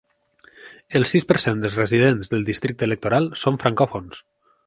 El sis per cent dels residents del districte electoral són francòfons.